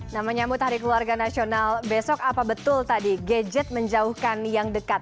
nah menyambut hari keluarga nasional besok apa betul tadi gadget menjauhkan yang dekat